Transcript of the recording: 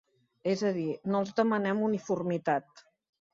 És a dir, no els demanem uniformitat.